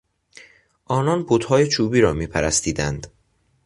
آنان بتهای چوبی را میپرستیدند.